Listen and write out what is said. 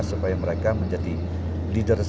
supaya mereka menjadi leaders